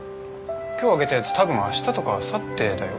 今日あげたやつたぶんあしたとかあさってだよ